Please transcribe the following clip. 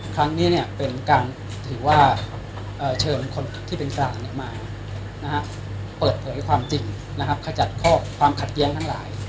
ครั้งนี้เป็นการถือว่าเชิญคนที่เป็นกลางมาเปิดเผยความจริงขจัดข้อความขัดแย้งทั้งหลาย